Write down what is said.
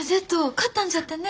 勝ったんじゃてね。